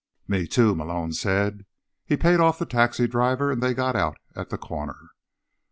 "Me, too," Malone said. He paid off the taxi driver and they got out at the corner.